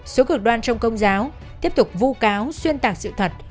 số cực đoan trong công giáo tiếp tục vu cáo xuyên tạc sự thật